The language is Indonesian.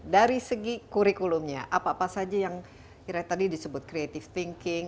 dari segi kurikulumnya apa apa saja yang kira tadi disebut creative thinking